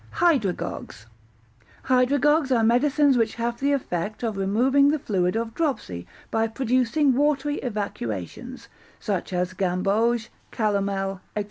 Hydragogues Hydragogues are medicines which have the effect of removing the fluid of dropsy, by producing watery evacuations, such as gamboge, calomel, &c.